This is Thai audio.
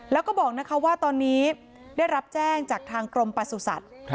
แล้วก็บอกนะคะว่าตอนนี้ได้รับแจ้งจากทางกรมประสุทธิ์